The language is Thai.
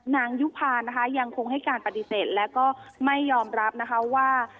ยุภานะคะยังคงให้การปฏิเสธและก็ไม่ยอมรับนะคะว่า